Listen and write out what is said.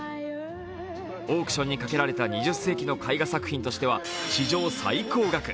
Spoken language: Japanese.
オークションにかけられた２０世紀の絵画作品としては史上最高額。